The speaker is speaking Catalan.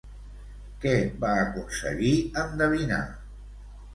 Què va aconseguir endevinar?